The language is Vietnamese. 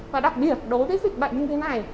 và đặc biệt đối với dịch bệnh như thế này